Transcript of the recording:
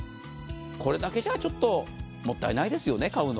これだけじゃあ、ちょっともったいないですよね、買うの。